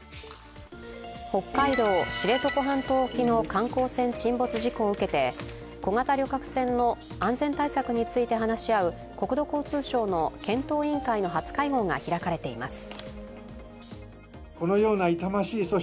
北海道・知床半島沖の観光船沈没事故を受けて小型旅客船の安全対策について話し合う国土交通省の検討委員会の初会合が開かれています。